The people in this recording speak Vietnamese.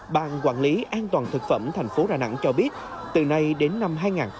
bàn quản lý an toàn thực phẩm thành phố rà nẵng cho biết từ nay đến năm hai nghìn hai mươi ba